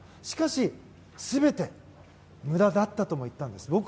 しかし、全て無駄だったとも言ったんです。